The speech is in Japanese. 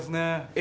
え！